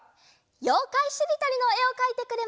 「ようかいしりとり」のえをかいてくれました。